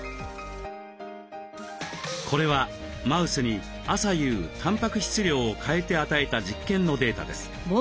これはマウスに朝夕たんぱく質量を変えて与えた実験のデータです。